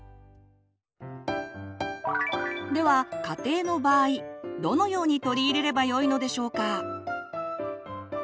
では家庭の場合どのように取り入れればよいのでしょうか？